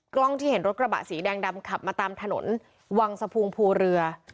กล้องที่เห็นรถกระบะสีแดงดำขับมาตามถนนวังสะพุงภูเรือ